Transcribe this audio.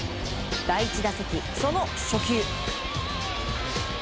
第１打席、その初球。